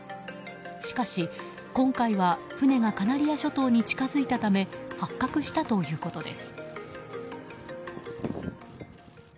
しかし、今回は船がカナリア諸島に近づいたため発覚したということです。